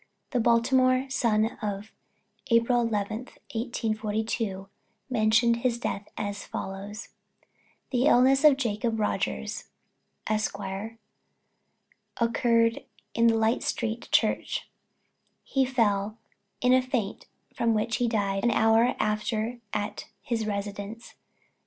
The Baltimore Sun of April 11, 1842, mentioned his death as follows: "The illness of Jacob Rogers, Esq., occurred in Light street Church; he fell in a faint from which he died an hour after at his residence, No.